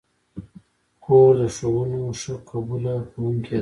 خور د ښوونو ښه قبوله کوونکې ده.